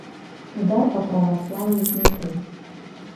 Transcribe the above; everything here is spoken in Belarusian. Удар па праваслаўі знутры.